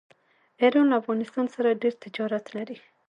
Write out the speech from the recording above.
ایران له افغانستان سره ډیر تجارت لري.